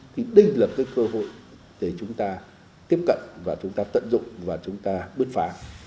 thì đây là cái cơ hội để chúng ta tiếp cận và chúng ta tận dụng và chúng ta bước phá